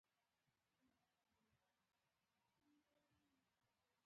د پرتاګه پایڅې به یې هم ګیبي وې.